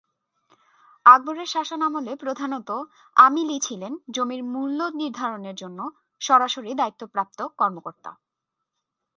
আকবর-এর শাসনামলে প্রধানত আমিলই ছিলেন জমির মূল্যনির্ধারণের জন্য সরাসরি দায়িত্বপ্রাপ্ত কর্মকর্তা।